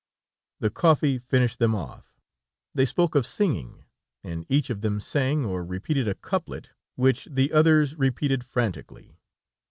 The coffee finished them off; they spoke of singing, and each of them sang, or repeated a couplet, which the others repeated frantically.